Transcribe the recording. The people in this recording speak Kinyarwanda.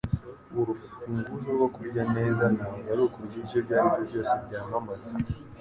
Urufunguzo rwo kurya neza ntabwo ari ukurya ibiryo ibyo aribyo byose byamamaza